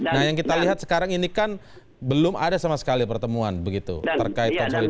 nah yang kita lihat sekarang ini kan belum ada sama sekali pertemuan begitu terkait konsolidasi